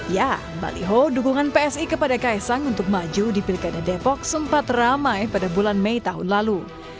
ya baliho dukungan psi kepada kaisang untuk maju di pilkada depok sempat ramai pada bulan mei tahun lalu